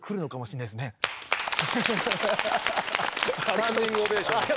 スタンディングオベーションです。